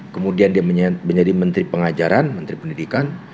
kemudian dia menjadi menteri pengajaran menteri pendidikan